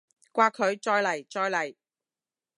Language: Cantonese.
摑佢！再嚟！再嚟！